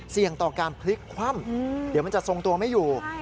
ต่อการพลิกคว่ำเดี๋ยวมันจะทรงตัวไม่อยู่